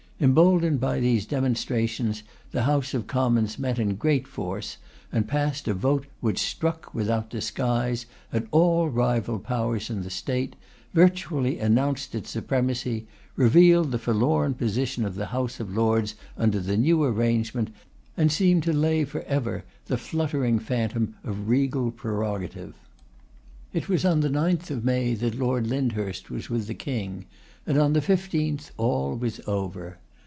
Emboldened by these demonstrations, the House of Commons met in great force, and passed a vote which struck, without disguise, at all rival powers in the State; virtually announced its supremacy; revealed the forlorn position of the House of Lords under the new arrangement; and seemed to lay for ever the fluttering phantom of regal prerogative. It was on the 9th of May that Lord Lyndhurst was with the King, and on the 15th all was over.